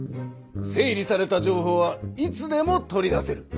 整理された情報はいつでも取り出せる。